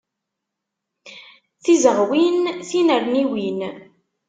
Tizewɣin, tinerniwin.